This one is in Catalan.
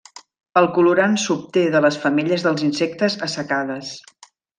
El colorant s'obté de les femelles dels insectes assecades.